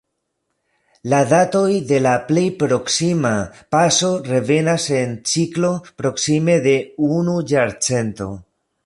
La datoj de la plej proksima paso revenas en ciklo proksime de unu jarcento.